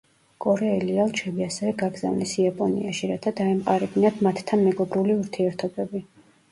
კორეელი ელჩები ასევე გაგზავნეს იაპონიაში, რათა დაემყარებინათ მათთან მეგობრული ურთიერთობები.